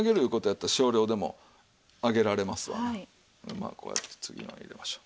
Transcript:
まあこうやって次のを入れましょう。